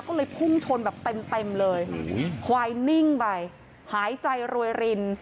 ก็เลยพุ่งชนแบบเต็มเต็มเลยควายนิ่งไปหายใจรวยริน